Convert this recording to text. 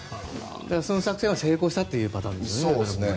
その作戦は成功したパターンですね。